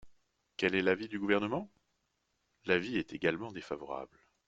Quel est l’avis du Gouvernement ? L’avis est également défavorable.